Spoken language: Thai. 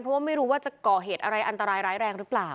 เพราะว่าไม่รู้ว่าจะก่อเหตุอะไรอันตรายร้ายแรงหรือเปล่า